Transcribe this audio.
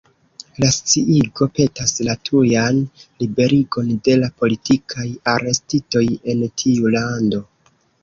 La sciigo petas la tujan liberigon de la «politikaj arestitoj» en tiu lando.